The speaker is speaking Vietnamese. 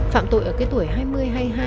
phạm tội ở cái tuổi hai mươi hay hai